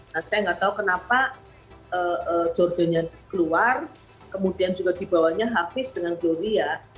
nah saya nggak tahu kenapa jordanya keluar kemudian juga dibawahnya hafiz dengan gloria